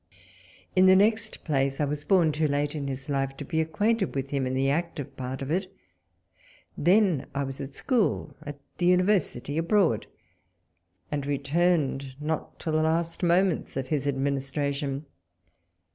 In the next place, I was born too late in his life to be acquainted with him in the active part of it. Then I was at school, at the university, abroad, and returned not till the last moments of his administration.